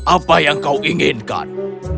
apa yang kau inginkan